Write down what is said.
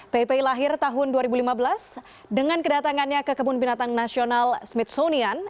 pip lahir tahun dua ribu lima belas dengan kedatangannya ke kebun binatang nasional smithsonian